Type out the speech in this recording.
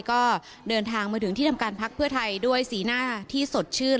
ก็เดินทางมาถึงที่ทำการพักเพื่อไทยด้วยสีหน้าที่สดชื่น